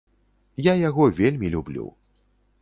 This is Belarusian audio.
Я яго вельмі люблю.